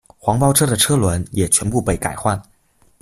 黄包车的车轮也全部被改换。